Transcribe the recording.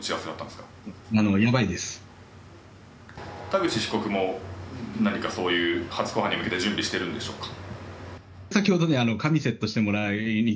田口被告も何か初公判に向けて準備しているんでしょうか。